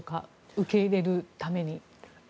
受け入れるために。